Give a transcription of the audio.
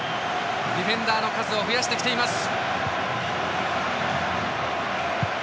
ディフェンダーの数を増やしてきています。